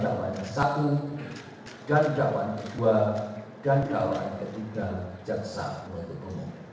dalam dakwaan yang satu dan dakwaan yang kedua dan dakwaan yang ketiga jaksa penutup umum